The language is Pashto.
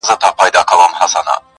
سلامي سول که امیرکه اردلیان وه!!